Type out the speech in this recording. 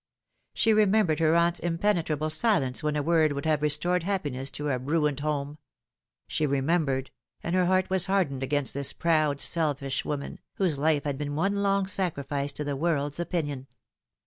She remembered her aunt's impenetrable silence when a word would have restored happiness to a ruined home ; she remembered, and her heart was hardened against this proud, selfish woman, whose life had been one long sacrifice to the world's opinion.